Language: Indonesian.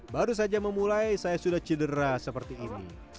baru saja memulai saya sudah cedera seperti ini